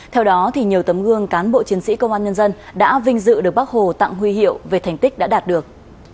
theo đó nhiều tấm gương cán bộ chiến sĩ công an nhân dân đã vinh dự được bác hồ tặng huy hiệu về thành tích đã đạt được